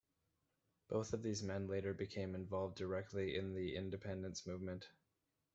Both of these men later became involved directly in the independence movement.